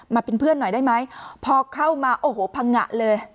เป็นเพื่อนหน่อยได้ไหมพอเข้ามาโอ้โหพังงะเลย